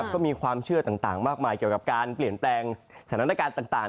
ก็มีความเชื่อต่างมากมายเกี่ยวกับการเปลี่ยนแปลงสถานการณ์ต่าง